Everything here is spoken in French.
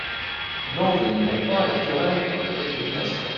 N'envenimons pas la querelle par des récriminations.